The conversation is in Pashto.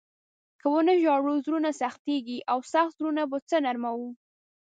که و نه ژاړو، زړونه سختېږي او سخت زړونه به په څه نرموو؟